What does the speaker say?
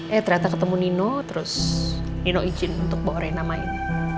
eh ternyata ketemu nino terus nino izin untuk bawa renamain